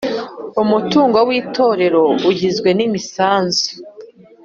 Umutungo w Itorero ugizwe n imisanzu